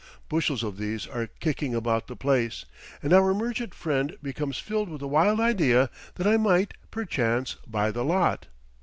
Bushels of these are kicking about the place, and our merchant friend becomes filled with a wild idea that I might, perchance, buy the lot.